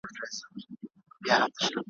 ښيي ,